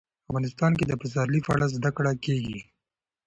افغانستان کې د پسرلی په اړه زده کړه کېږي.